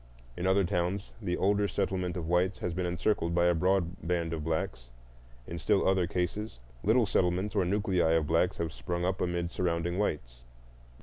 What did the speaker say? In other towns the older settlement of whites has been encircled by a broad band of blacks; in still other cases little settlements or nuclei of blacks have sprung up amid surrounding whites.